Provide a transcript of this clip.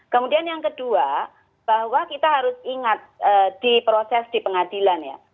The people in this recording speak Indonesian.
kemudian yang kedua bahwa kita harus ingat di proses di pengadilan ya